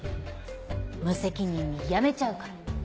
無責任に辞めちゃうから。